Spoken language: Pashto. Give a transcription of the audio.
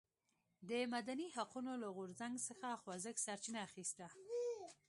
د مدني حقونو له غورځنګ څخه خوځښت سرچینه اخیسته.